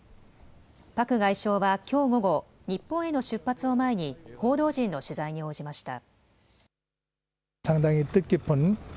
パク外相はきょう午後、日本への出発を前に報道陣の取材に応じました。